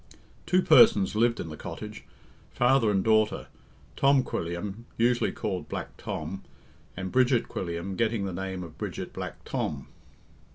Two persons lived in the cottage, father and daughter Tom Quilliam, usually called Black Tom, and Bridget Quilliam, getting the name of Bridget Black Tom.